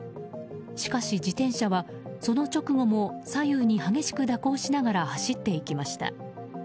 しかし、自転車はその直後も左右に激しく蛇行しながら走っていきました。